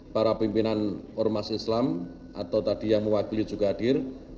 para pimpinan ormas islam atau tadi yang mewakili juga hadir